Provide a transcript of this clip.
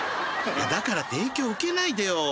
だからって影響受けないでよ。